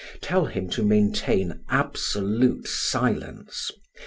Tell him to maintain absolute silence.